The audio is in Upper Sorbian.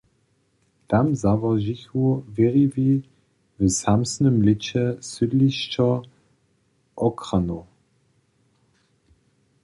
Tam załožichu wěriwi w samsnym lěće sydlišćo Ochranow.